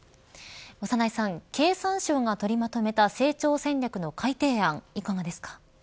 長内さん、経産省が取りまとめた成長戦略の改定案いかがですか。